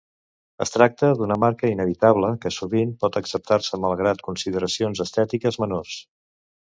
Es tracta d'una marca inevitable que sovint pot acceptar-se malgrat consideracions estètiques menors.